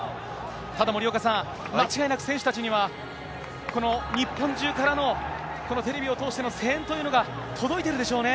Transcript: ただ森岡さん、間違いなく選手たちには、この日本中からの、このテレビを通しての声援というのが届いているでしょうね。